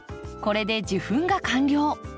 これで受粉が完了。